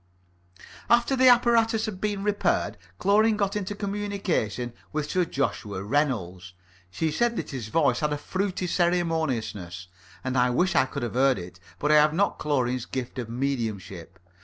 After the apparatus had been repaired, Chlorine got into communication with Sir Joshua Reynolds. She said that his voice had a fruity ceremoniousness, and I wish I could have heard it. But I have not Chlorine's gift of mediumship.